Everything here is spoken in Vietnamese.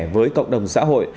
với cộng đồng xã hội